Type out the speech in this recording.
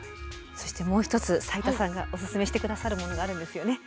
そしてもう一つ斉田さんがオススメして下さるものがあるんですよね。